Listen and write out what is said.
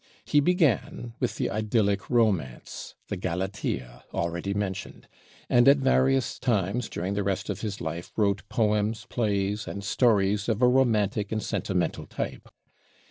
He began with the idyllic romance, the 'Galatea' already mentioned, and at various times during the rest of his life wrote poems, plays, and stories of a romantic and sentimental type.